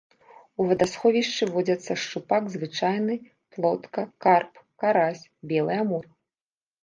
У вадасховішчы водзяцца шчупак звычайны, плотка, карп, карась, белы амур.